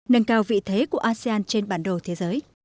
nâng cao vị thế của asean trên bản đồ thế giới